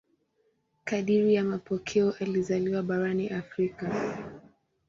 Kadiri ya mapokeo alizaliwa barani Afrika.